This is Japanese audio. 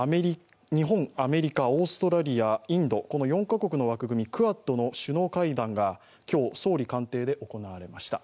日本、アメリカ、オーストラリアインドこの４カ国の枠組み、クアッドの首脳会談が今日、総理官邸で行われました。